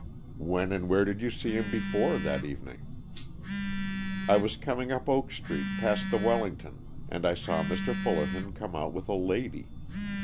"When and where did you see him before that evening?" "I was coming up Oak Street past the Wellington, and I saw Mr. Fullerton come out with a lady.